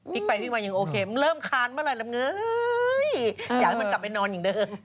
ไปพลิกมายังโอเคมันเริ่มคานเมื่อไหรแล้วเงยอยากให้มันกลับไปนอนอย่างเดิม